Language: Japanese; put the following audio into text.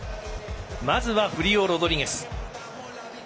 まずは、フリオ・ロドリゲス。